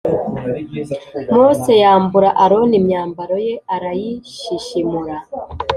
Mose yambura Aroni imyambaro ye arayishishimura